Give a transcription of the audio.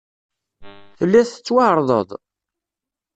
Telliḍ tettwaɛerḍeḍ?